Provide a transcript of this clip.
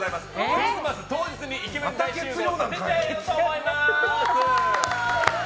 クリスマス当日にイケメンを大集合させたいと思います！